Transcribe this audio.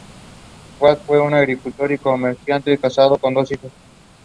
She has contributed an article to "The Conversation" news outlet on metal detecting.